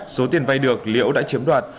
số tiền vay được liễu đã chiếm đoạt